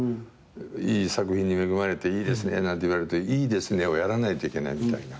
「いい作品に恵まれていいですね」なんて言われると「いいですね」をやらないといけないみたいな。